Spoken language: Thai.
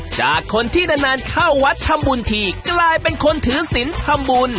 จากคนที่นานเข้าวัดทำบุญทีกลายเป็นคนถือศิลป์ทำบุญ